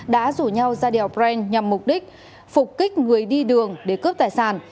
đã rủ nhau ra đèo brent nhằm mục đích phục kích người đi đường để cướp tài sản